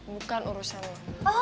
bukan urusan lo